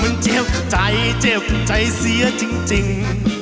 มันเจ็บใจเจ็บใจเสียจริง